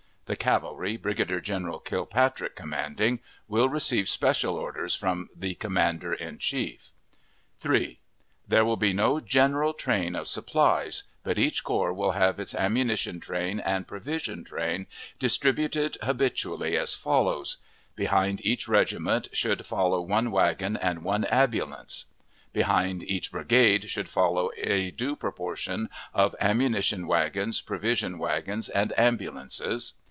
The cavalry, Brigadier General Kilpatrick commanding, will receive special orders from the commander in chief. 3. There will be no general train of supplies, but each corps will have its ammunition train and provision train, distributed habitually as follows: Behind each regiment should follow one wagon and one ambulance; behind each brigade should follow a due proportion of ammunition wagons, provision wagons, and ambulances.